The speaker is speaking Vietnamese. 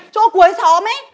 chỗ cuối xóm ấy